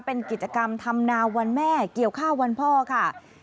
เป็นกิจกรรมทำนาวันแม่เกี่ยวข้าววันพ่อค่ะ